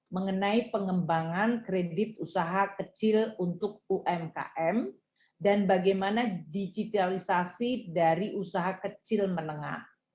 mengenai pengembangan kredit usaha kecil untuk umkm dan bagaimana digitalisasi dari usaha kecil menengah